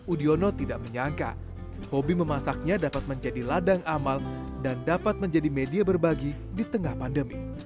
udiono tidak menyangka hobi memasaknya dapat menjadi ladang amal dan dapat menjadi media berbagi di tengah pandemi